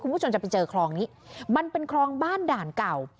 คุณผู้ชมจะไปเจอคลองนี้มันเป็นคลองบ้านด่านเก่า